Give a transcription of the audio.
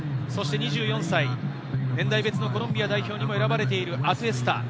そして２４歳、年代別のコロンビア代表にも選ばれているアトゥエスタ。